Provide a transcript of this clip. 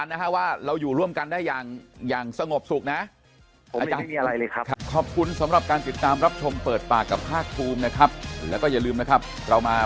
จริงก็คือทางรัฐทีมส่วนเนี่ยไม่มีอะไรเลย